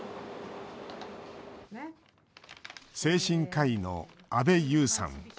精神科医の阿部裕さん。